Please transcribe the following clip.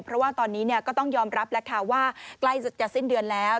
เพราะว่าตอนนี้ก็ต้องยอมรับแล้วค่ะว่าใกล้จะสิ้นเดือนแล้ว